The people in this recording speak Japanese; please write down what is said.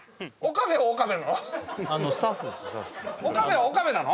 岡部は岡部なの？